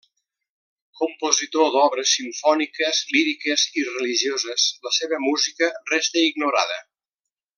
Compositor d'obres simfòniques, líriques i religioses, la seva música resta ignorada.